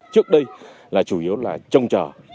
trước đây là chủ yếu là trong trò